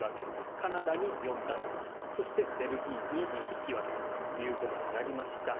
カナダに４対１そしてベルギーに引き分けということになりました。